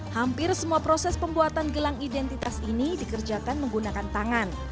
hampir semua proses pembuatan gelang identitas ini dikerjakan menggunakan tangan